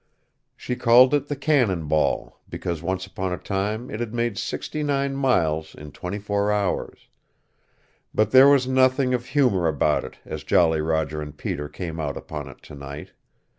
She called it the "Cannon Ball," because once upon a time it had made sixty nine miles in twenty four hours. But there was nothing of humor about it as Jolly Roger and Peter came out upon it tonight.